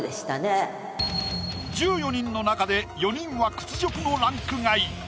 １４人の中で４人は屈辱のランク外。